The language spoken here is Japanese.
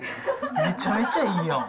めちゃめちゃいいやん。